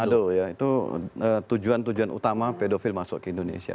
waduh ya itu tujuan tujuan utama pedofil masuk ke indonesia